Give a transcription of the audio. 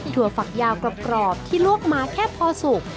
ฝักยาวกรอบที่ลวกมาแค่พอสุก